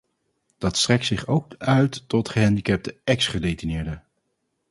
Dat strekt zich ook uit tot gehandicapte ex-gedetineerden.